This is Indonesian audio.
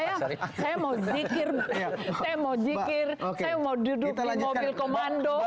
saya mau zikir saya mau duduk di mobil komando